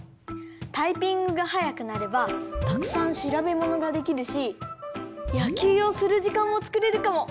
タイピングがはやくなればたくさんしらべものができるしやきゅうをするじかんもつくれるかも。